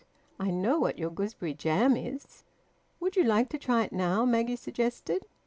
I know what your gooseberry jam is." "Would you like to try it now?" Maggie suggested.